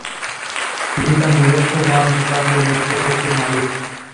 তিনি তাঁর নিজস্ব ডান্স ব্র্যান্ড নৃত্য শক্তির মালিক।